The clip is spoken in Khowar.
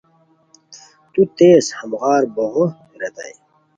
تو تیز ہموغار بوغے ریتائے